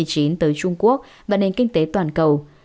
tới trung quốc và nền kinh tế toàn cầu